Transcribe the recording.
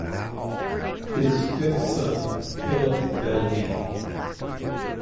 His fifth son, Phillip Bell b.